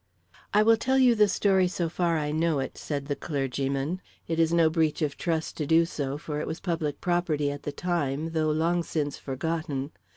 "I will tell you the story so far I know it," said the clergyman. "It is no breach of trust to do so, for it was public property at the time, though long since forgotten.